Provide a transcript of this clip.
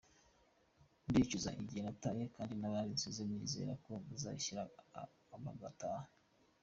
Ndicuza igihe nataye kandi n’abandi nsize ndizera ko bazashyira bagataha.